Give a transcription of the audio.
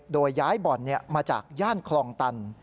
โดยย้ายบ่อนมาจากย่านคลองตัน